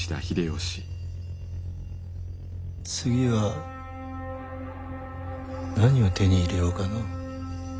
次は何を手に入れようかのう。